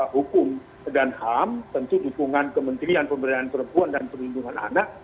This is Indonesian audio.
hukum dan ham tentu dukungan kementerian pemberdayaan perempuan dan perlindungan anak